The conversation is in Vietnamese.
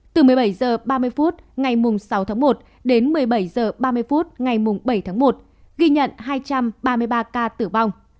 từ một mươi bảy h ba mươi phút ngày sáu tháng một đến một mươi bảy h ba mươi phút ngày bảy tháng một ghi nhận hai trăm ba mươi ba ca tử vong